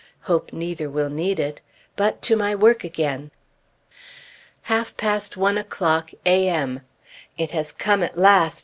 Hope neither will need it! But to my work again! Half past One o'clock, A.M. It has come at last!